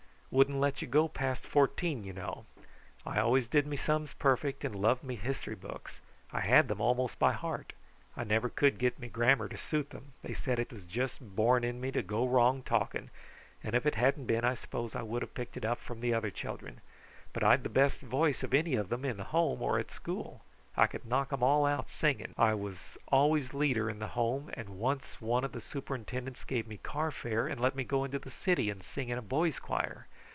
Wouldn't let you go past fourteen, you know. I always did me sums perfect, and loved me history books. I had them almost by heart. I never could get me grammar to suit them. They said it was just born in me to go wrong talking, and if it hadn't been I suppose I would have picked it up from the other children; but I'd the best voice of any of them in the Home or at school. I could knock them all out singing. I was always leader in the Home, and once one of the superintendents gave me carfare and let me go into the city and sing in a boys' choir.